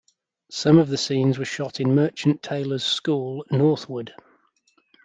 Some of the scenes were shot in Merchant Taylors School, Northwood.